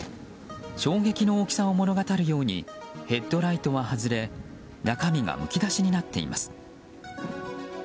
衝撃の大きさを物語るようにヘッドライトは外れ中身がむき出しになっています。